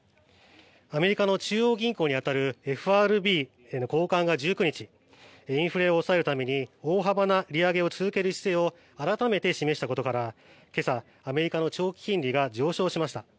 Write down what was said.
アメリカの中央銀行に当たるＦＲＢ高官が１９日インフレを抑えるために大幅な利上げを続ける姿勢を改めて示したことから今朝、アメリカの長期金利が上昇しました。